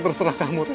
terserah kamu reno